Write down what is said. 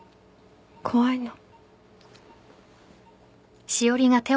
怖いの。